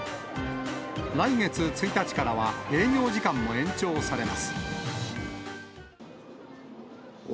来月１日からは、営業時間も延長されます。